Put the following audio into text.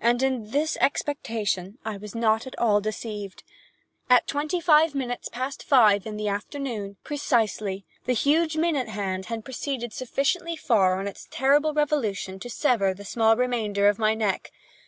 And in this expectation I was not at all deceived. At twenty five minutes past five in the afternoon, precisely, the huge minute hand had proceeded sufficiently far on its terrible revolution to sever the small remainder of my neck.